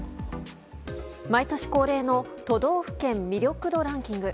毎年恒例の都道府県魅力度ランキング。